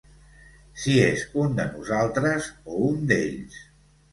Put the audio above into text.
Si és un de nosaltres o un d'ells.